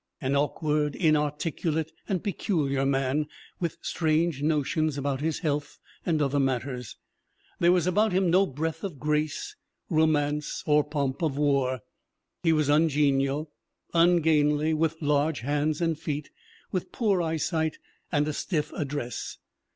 An awkward, inarticulate, and peculiar man, with strange notions i 4 8 THE WOMEN WHO MAKE OUR NOVELS about his health and other matters, there was about him no breath of grace, romance, or pomp of war. He was ungenial, ungainly, with large hands and feet, with poor eyesight and a stiff address.